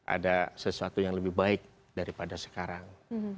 ada sesuatu yang lebih baik daripada sekarang